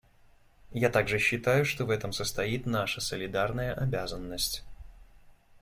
Я также считаю, что в этом состоит наша солидарная обязанность.